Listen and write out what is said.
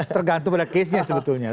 tergantung pada case nya sebetulnya